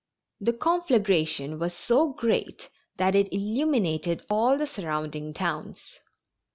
The conflagration was so great that it illuminated all the surrounding towns.